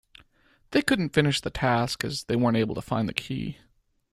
They couldn't finish the task as they weren't able to find the key